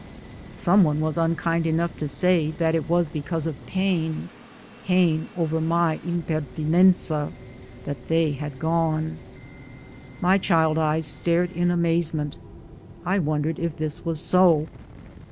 Some one was unkind enough to say that it was because of pain, pain over my "im pertinenza," that they had gone. My child eyes stared in amazement; I wondered if this was so.